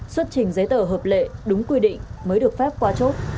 xuất trình giấy tờ hợp lệ đúng quy định mới được phép qua chốt